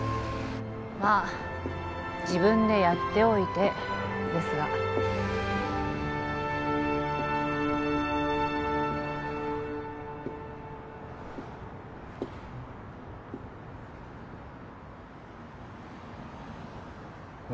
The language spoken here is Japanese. まあ自分でやっておいてですがね